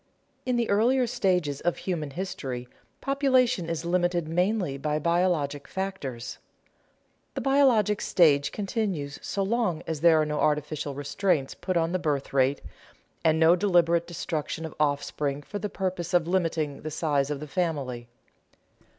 In the earlier stages of human history, population is limited mainly by biologic factors. The biologic stage continues so long as there are no artificial restraints put on the birth rate, and no deliberate destruction of offspring for the purposes of limiting the size of the family.